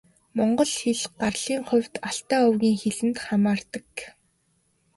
Монгол хэл гарлын хувьд Алтай овгийн хэлэнд хамаардаг.